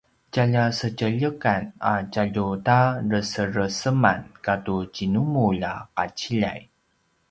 tjalja sedjeljekan a tjalju ta resereseman katu djinumulj a qaciljay